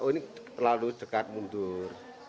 oh ini terlalu dekat mundur